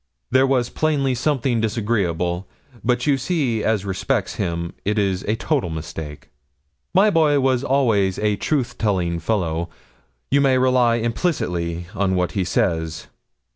There was plainly something disagreeable; but you see as respects him it is a total mistake. My boy was always a truth telling fellow you may rely implicitly on what he says.